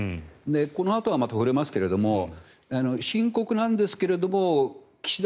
このあとまた触れますけど深刻なんですけど岸田